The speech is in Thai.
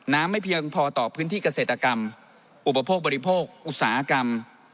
ไม่เพียงพอต่อพื้นที่เกษตรกรรมอุปโภคบริโภคอุตสาหกรรม